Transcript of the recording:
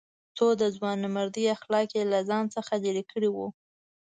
خو د ځوانمردۍ اخلاق یې له ځان څخه لرې کړي وو.